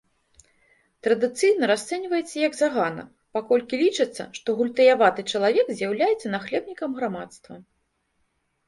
Традыцыйна расцэньваецца як загана, паколькі лічыцца, што гультаяваты чалавек з'яўляецца нахлебнікам грамадства.